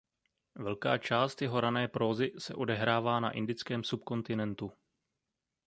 Velká část jeho rané prózy se odehrává na indickém subkontinentu.